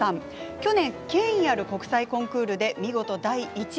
去年、権威ある国際コンクールで見事第１位。